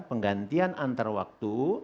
penggantian antar waktu